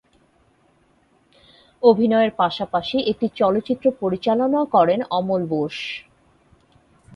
অভিনয়ের পাশাপাশি একটি চলচ্চিত্র পরিচালনাও করেন অমল বোস।